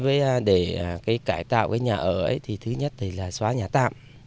với để cải tạo nhà ở thứ nhất là xóa nhà tạm